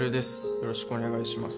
よろしくお願いします